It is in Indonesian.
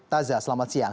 tazah selamat siang